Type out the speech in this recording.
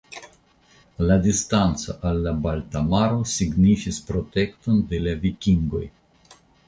La distanco al la Balta Maro signifis protekton de la vikingoj.